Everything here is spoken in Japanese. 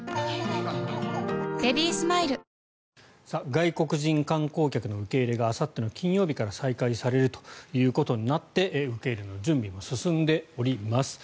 外国人観光客の受け入れがあさっての金曜日から再開されるということになって受け入れの準備も進んでおります。